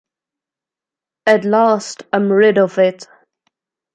At last I'm rid of it.